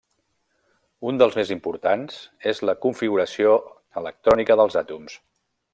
Un dels més importants és la configuració electrònica dels àtoms.